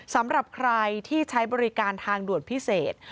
สำหรับใครที่ใช้บริการทางด่วนพิเศษ